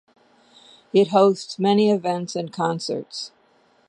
It hosts many events and concerts.